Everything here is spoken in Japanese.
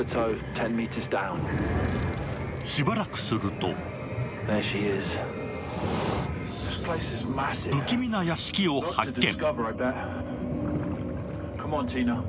しばらくすると不気味な屋敷を発見。